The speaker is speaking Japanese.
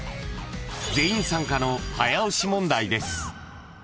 ［全員参加の早押し問題です］